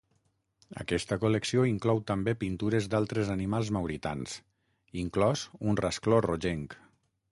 Aquesta col·lecció inclou també pintures d'altres animals mauritans, inclòs un rascló rogenc.